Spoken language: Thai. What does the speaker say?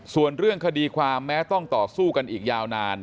ส่วนเรื่องคดีความแม้ต้องต่อสู้กันอีกยาวนาน